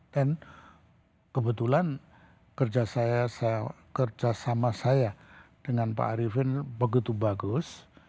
dan kebetulan kerja saya kerjasama saya dengan pak arifin begitu bagus